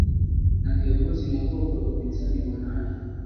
na kiongozi mukogwe wa upinzani bwana alfa